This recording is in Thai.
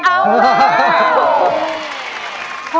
เอาดีครับ